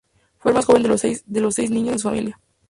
Fue el más joven de los seis niños en su familia.